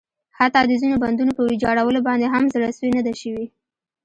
حتٰی د ځینو بندونو په ویجاړولو باندې هم زړه سوی نه ده شوی.